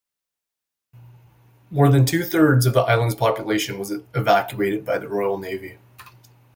More than two-thirds of the island's population was evacuated by the Royal Navy.